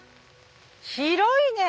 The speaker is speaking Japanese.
広いね！